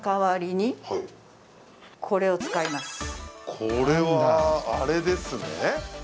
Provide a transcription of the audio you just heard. これは、あれですね。